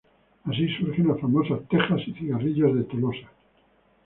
Así, surgen las famosas "tejas y cigarrillos de Tolosa".